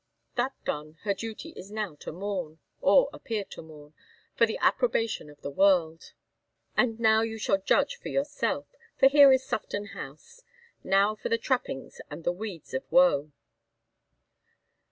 That done, her duty is now to mourn, or appear to mourn, for the approbation of the world. And now you shall judge for yourself, for here is Sufton House. Now for the trappings and the weeds of woe."